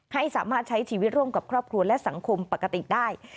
ให้สามารถใช้ชีวิตร่วมกับครอบครัวและสังคมปกติได้